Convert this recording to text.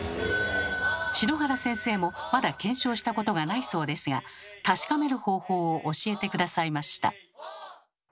篠原先生もまだ検証したことがないそうですが確かめる方法を教えて下さいました。